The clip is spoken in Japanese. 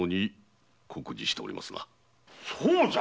そうじゃ！